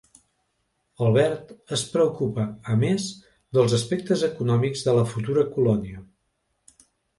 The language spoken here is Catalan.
Albert es preocupa a més dels aspectes econòmics de la futura colònia.